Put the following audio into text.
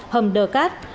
hầm đờ cát